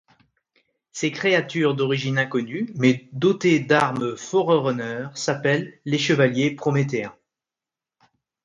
Ces créatures d'origine inconnue mais dotées d'armes Forerunner s'appellent les Chevaliers Prométhéens.